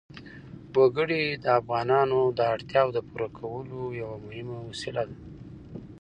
وګړي د افغانانو د اړتیاوو د پوره کولو یوه مهمه وسیله ده.